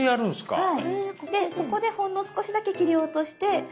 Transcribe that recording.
はい。